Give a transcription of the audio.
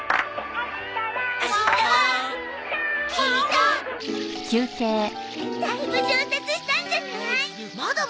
だいぶ上達したんじゃない？